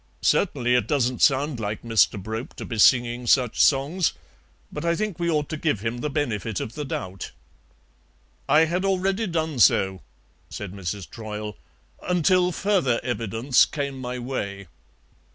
Certainly it doesn't sound like Mr. Brope to be singing such songs, but I think we ought to give him the benefit of the doubt." "I had already done so," said Mrs. Troyle, "until further evidence came my way."